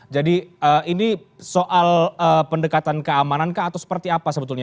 jadi ini soal pendekatan keamanan atau seperti apa sebetulnya